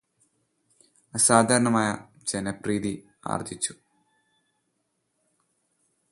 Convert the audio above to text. അസാധാരണമായ ജനപ്രീതി ആര്ജ്ജിച്ചു